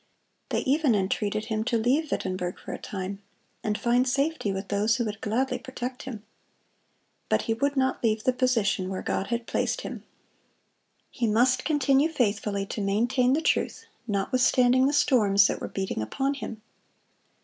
They even entreated him to leave Wittenberg for a time, and find safety with those who would gladly protect him. But he would not leave the position where God had placed him. He must continue faithfully to maintain the truth, notwithstanding the storms that were beating upon him.